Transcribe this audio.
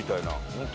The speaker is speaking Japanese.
ホント。